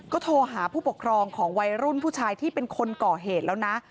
โทรหาผู้ปกครองของวัยรุ่นผู้ชายที่เป็นคนก่อเหตุแล้วนะ